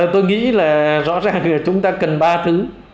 tôi nghĩ là rõ ràng là chúng ta cần ba thứ